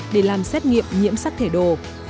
để làm xét nghiệm nhiễm sắc thể đồ